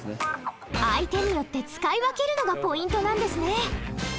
相手によって使い分けるのがポイントなんですね。